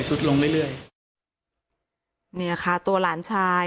สุดลงเรื่อยเรื่อยเนี่ยค่ะตัวหลานชาย